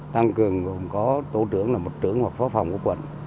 tăng cường gồm có tổ trưởng là một trưởng hoặc phó phòng của quận